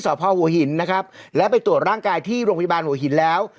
พ่อหัวหินนะครับและไปตรวจร่างกายที่โรงพยาบาลหัวหินแล้ว